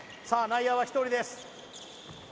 内野は１人です